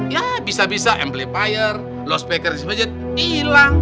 ya bisa bisa amplifier loss packer di masjid hilang